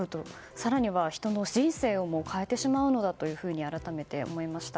更には、人の人生をも変えてしまうのだというふうに改めて思いました。